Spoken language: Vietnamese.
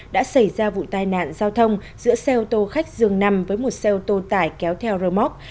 đã xảy ra vụ tai nạn giao thông giữa xe ô tô khách dường nằm với một xe ô tô tải kéo theo rơ móc